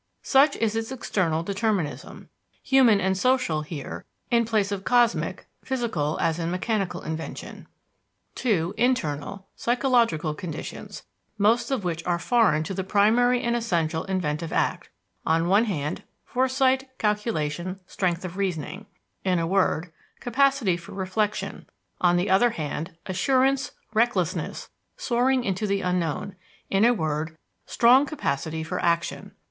Such is its external determinism human and social here in place of cosmic, physical, as in mechanical invention. (2) Internal, psychological conditions, most of which are foreign to the primary and essential inventive act: on one hand, foresight, calculation, strength of reasoning; in a word, capacity for reflection; on the other hand, assurance, recklessness, soaring into the unknown in a word, strong capacity for action.